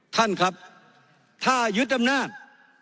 ท่านครับถ้ายึดอำนาจ